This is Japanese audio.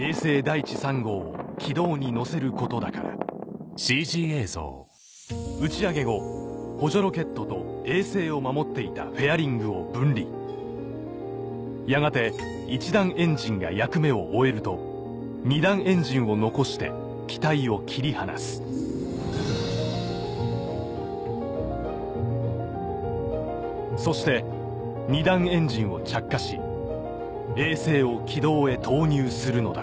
いち３号を軌道に乗せることだから打ち上げ後補助ロケットと衛星を守っていたフェアリングを分離やがて１段エンジンが役目を終えると２段エンジンを残して機体を切り離すそして２段エンジンを着火し衛星を軌道へ投入するのだ